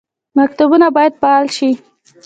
مکتبونه باید فعال شي